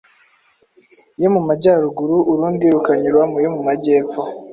yo mu majyaruguru urundi rukanyura mu yo mu majyepfo